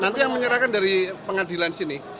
nanti yang menyerahkan dari pengadilan sini